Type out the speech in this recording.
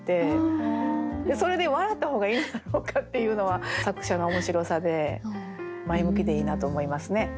それで「笑った方がいいのだろうか」っていうのは作者の面白さで前向きでいいなと思いますね。